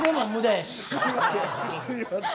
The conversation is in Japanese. すいません。